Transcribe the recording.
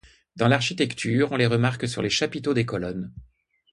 Dans l'architecture, on les remarque sur les chapiteaux des colonnes.